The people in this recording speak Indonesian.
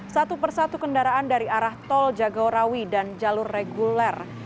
satu persatu kendaraan dari arah tol jagorawi dan jalur reguler